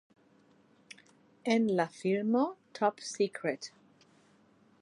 En la filmo "Top Secret!